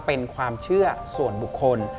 เป็นความเชื่อส่วนบุคคล